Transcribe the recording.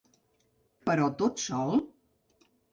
Però tot sol?